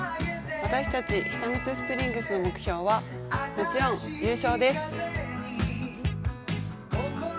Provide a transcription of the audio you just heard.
私たち久光スプリングスの目標はもちろん優勝です！